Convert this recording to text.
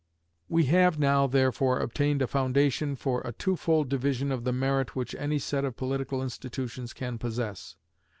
We have now, therefore, obtained a foundation for a twofold division of the merit which any set of political institutions can possess.